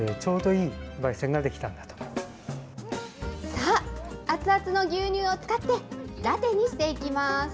さあ、熱々の牛乳を使って、ラテにしていきます。